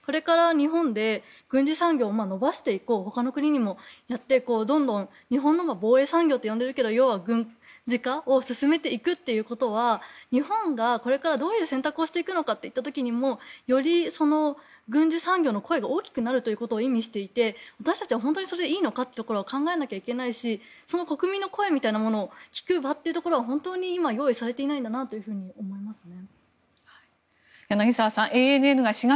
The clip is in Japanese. それから、日本で軍事産業を伸ばしていこう日本は防衛産業と呼んでいるけど軍事化を進めていこうということは日本がこれからどういう選択をしていくのかといった時にもより軍需産業の声が大きくなることを意味していて私たちは本当にいいのか考えないといけないし国民の声みたいなものを聞く場が用意されていないんだと思いますね。